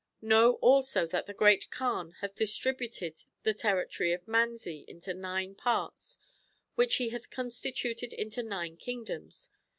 ^ Know also that the Great Kaan hath distributed the territory of Manzi into nine parts, which he hath con stituted into nine kingdoms.